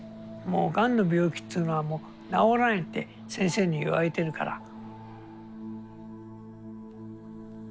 もうがんの病気っていうのはもう治らないって先生に言われてるから。